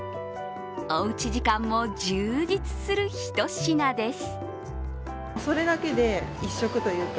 おうち時間も充実するひと品です。